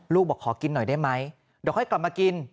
บอกขอกินหน่อยได้ไหมเดี๋ยวค่อยกลับมากิน